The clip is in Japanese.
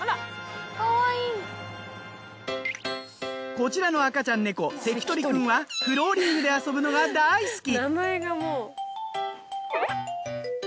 こちらの赤ちゃんネコセキトリくんはフローリングで遊ぶのが大好き。